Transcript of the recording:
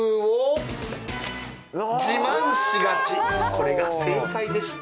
これが正解でした。